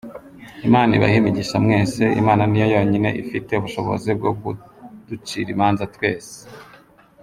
Imana ibahe imigisha mwese , Imana niyo yonyine ifite ubushobozi bwo kuducira imanza twese.